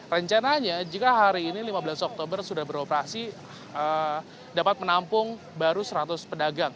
rencananya jika hari ini lima belas oktober sudah beroperasi dapat menampung baru seratus pedagang